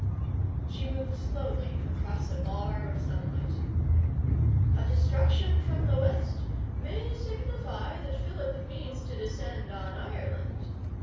She moved slowly across a bar of sunlight. 'A destruction from the West may signify that Philip means to descend on Ireland.